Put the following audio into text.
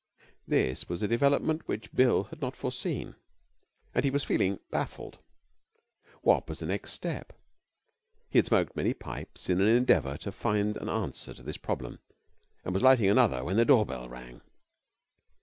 This was a development which Bill had not foreseen, and he was feeling baffled. What was the next step? He had smoked many pipes in the endeavour to find an answer to this problem, and was lighting another when the door bell rang.